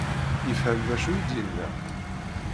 Yefhem d acu i d-yenna?